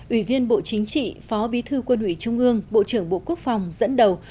ủy viên bộ chính trị phó bí thư quân ủy trung ương bộ trưởng bộ quốc phòng dẫn đầu